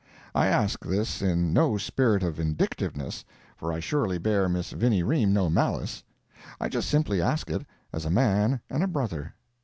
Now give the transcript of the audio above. I ask this in no spirit of vindictiveness, for I surely bear Miss Vinnie Ream no malice. I just simply ask it as a man and a brother.